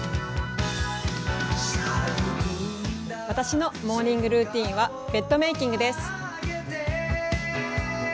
私のモーニングルーティンはベッドメイキングです。